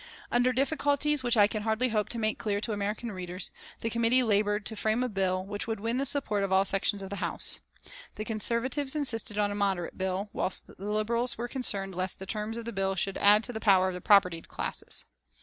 Under difficulties which I can hardly hope to make clear to American readers the committee laboured to frame a bill which should win the support of all sections of the House. The Conservatives insisted on a moderate bill, whilst the Liberals were concerned lest the terms of the bill should add to the power of the propertied classes.